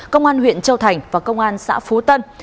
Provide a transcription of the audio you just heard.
công an huyện châu thành và công an xã phú tân